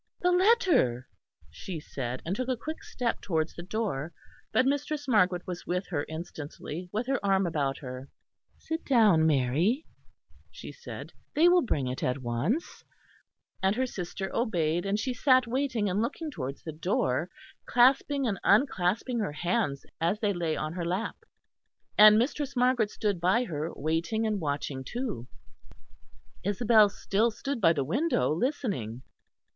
"The letter!" she said; and took a quick step towards the door; but Mistress Margaret was with her instantly, with her arm about her. "Sit down, Mary," she said, "they will bring it at once"; and her sister obeyed; and she sat waiting and looking towards the door, clasping and unclasping her hands as they lay on her lap; and Mistress Margaret stood by her, waiting and watching too. Isabel still stood by the window listening.